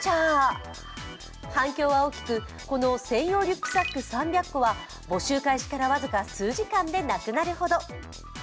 反響は大きく、この専用リュックサック３００個は募集開始から僅か数時間でなくなるほど。